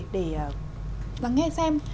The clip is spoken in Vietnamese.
để lắng nghe xem